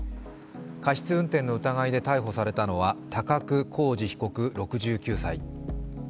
過失運転の疑いで逮捕されたのは高久浩二被告６９歳。